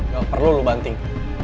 gak perlu lu banting